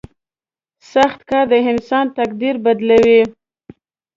• سخت کار د انسان تقدیر بدلوي.